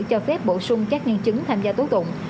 cho phép bổ sung các nhân chứng tham gia tố tụng